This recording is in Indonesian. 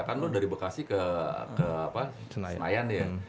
kan lo dari bekasi ke senayan ya